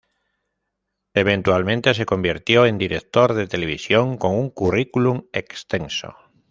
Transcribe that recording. Eventualmente se convirtió en director de televisión con un currículum extenso.